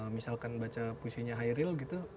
misalkan baca puisinya hairil gitu